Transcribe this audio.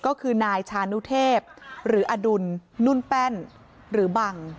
ก็คือนายชานุเทพหรืออดุลนุ่นแป้นหรือบัง